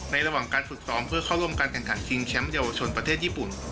ระหว่างการฝึกซ้อมเพื่อเข้าร่วมการแข่งขันชิงแชมป์เยาวชนประเทศญี่ปุ่น